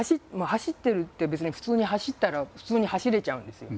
走ってるって別に普通に走ったら普通に走れちゃうんですよ。